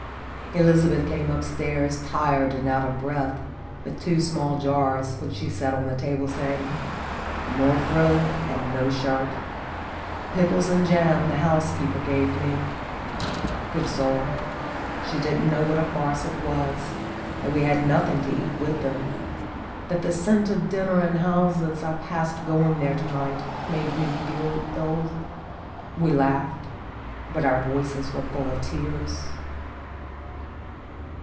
Elizabeth came up stairs, tired and out of breath, with two small jars, which she set on the table, saying: "More frill and no shirt! Pickles and jam the housekeeper gave me. Good soul, she didn't know what a farce it was, that we had nothing to eat with them, that the scent of dinner in houses I passed go ing there to night made me feel ill." ! We laughed, but our voices were full of tears.